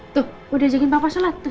tuh mau diajakin papa sholat tuh